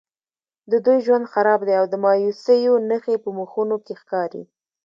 د دوی ژوند خراب دی او د مایوسیو نښې په مخونو کې ښکاري.